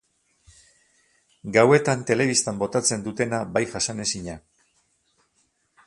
Gauetan telebistan botatzen dutena bai jasanezina.